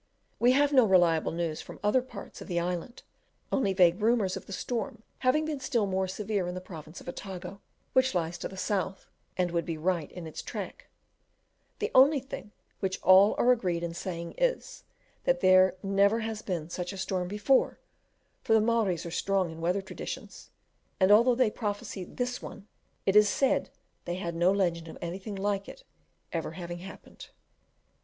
We have no reliable news from other parts of the island, only vague rumours of the storm having been still more severe in the Province of Otago, which lies to the south, and would be right in its track; the only thing which all are agreed in saying is, that there never has been such a storm before, for the Maories are strong in weather traditions, and though they prophesied this one, it is said they have no legend of anything like it ever having happened.